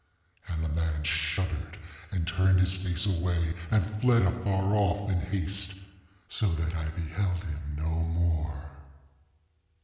And the man shuddered, and turned his face away, and fled afar off, in haste, so that I beheld him no more.